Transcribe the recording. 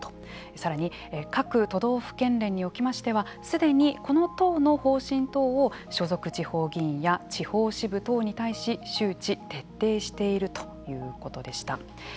さらに、各都道府県連によっては既にこの党の方針等を所属地方議員や地域支部等に対し周知・徹底しているということでした。